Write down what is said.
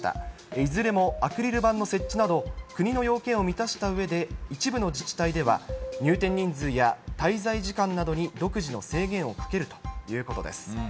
いずれもアクリル板の設置など、国の要件を満たしたうえで、一部の自治体では、入店人数や滞在時間などに独自の制限をかけるということです。